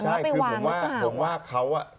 ไม่ใช่คือผมว่าเขาอะ